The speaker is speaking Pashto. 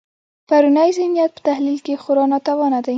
پرونی ذهنیت په تحلیل کې خورا ناتوانه دی.